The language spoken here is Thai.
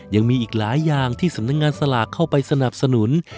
ยังมีอีกหลายอย่างที่สำนักงานสลากเข้าไปสนับสนุน